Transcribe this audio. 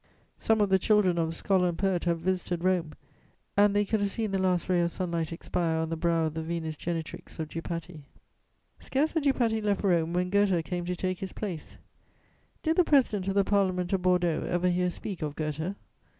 "Some of the children" of the scholar and poet have visited Rome, and they could have seen the last ray of sunlight expire on the brow of the Venus Genitrix of Dupaty. [Sidenote: Dupaty, Goethe.] Scarce had Dupaty left Rome when Goethe came to take his place. Did the president of the Parliament of Bordeaux ever hear speak of Goethe?